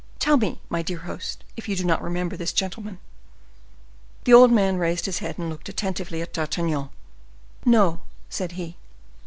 "Tell me, my dear host, if you do not remember this gentleman?" The old man raised his head, and looked attentively at D'Artagnan. "No," said he.